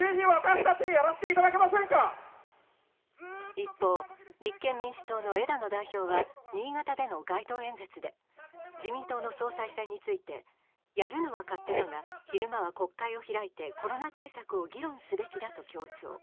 一方、立憲民主党の枝野代表は、新潟での街頭演説で自民党の総裁選について、やるのは勝手だが、昼間は国会を開いてコロナ対策を議論すべきだと強調。